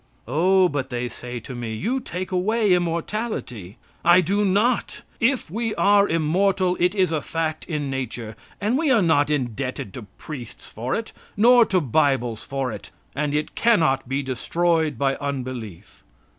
"Oh," but they say to me, "you take away immortality." I do not. If we are immortal it is a fact in nature, and we are not indebted to priests for it, nor to Bibles for it, and it cannot be destroyed by unbelief.